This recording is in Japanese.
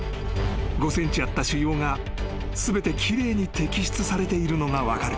［５ｃｍあった腫瘍が全て奇麗に摘出されているのが分かる］